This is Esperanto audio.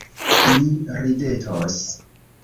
Ni ridetos.